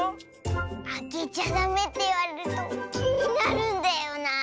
あけちゃダメっていわれるときになるんだよなあ。